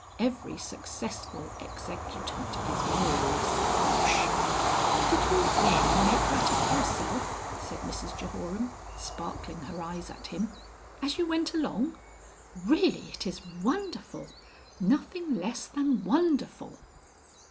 Every successful executant is more or less gauche." "Did you really make that up yourself?" said Mrs Jehoram, sparkling her eyes at him, "as you went along. Really, it is wonderful! Nothing less than wonderful."